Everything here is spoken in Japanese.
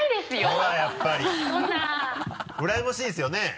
うらやましいですよね？